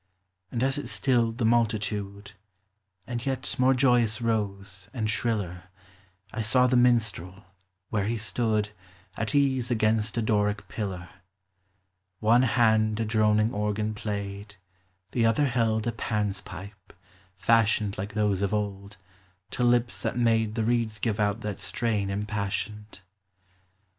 And as it stilled the multitude, And yet more joyous rose, and shriller, I saw the minstrel, where he stood At ease against a Doric pillar : One hand a droning organ played, The other held a Pan's pipe (fashioned Like those of old) to lips that made The reeds give out that strain impassioned.